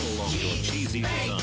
チーズ！